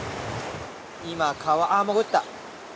今、川、あっ、潜った。